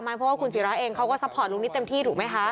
เพราะว่าคุณศิราเองเขาก็ซัพพอร์ตลุงนิดเต็มที่ถูกไหมคะ